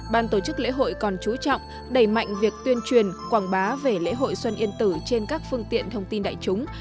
ban tổ chức lễ hội còn chú trọng đẩy mạnh việc tuyên truyền quảng bá về lễ hội xuân yên tử trên các phương tiện thông tin đại chúng